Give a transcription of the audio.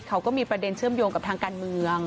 เขาก็มีประเด็นเชื่อมโยงกับทางการเมือง